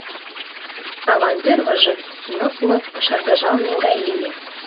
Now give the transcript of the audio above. Аван тӱрвыжӧ лып-лып шыргыжалме гай лие.